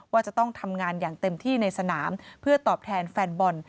ว่าจะต้องทำงานอย่างเต็มที่ในสนามเพื่อตอบแทนแฟนบอล